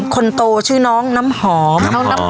คนโตชื่อน้องน้ำหอม